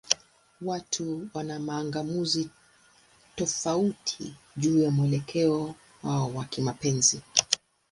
Watu wana mang'amuzi tofauti juu ya mwelekeo wao wa kimapenzi.